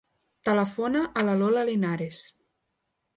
Telefona a la Lola Linares.